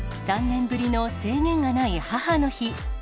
３年ぶりの制限がない母の日。